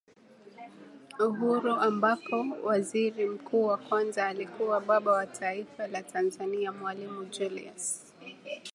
uhuru ambapo Waziri Mkuu wa kwanza alikuwa Baba wa Taifa la Tanzania Mwalimu Julius